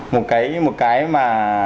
một cái mà